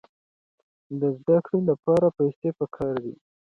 د زده کړې لپاره پیسې پکار دي.